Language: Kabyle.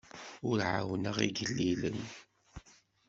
Ur ɛawneɣ igellilen.